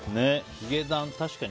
ヒゲダン、確かに。